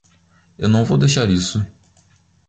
Eu não vou deixar isso.